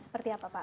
seperti apa pak